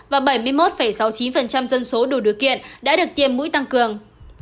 và bảy mươi một sáu mươi chín dân số đủ điều kiện đã được tiêm mũi tăng cường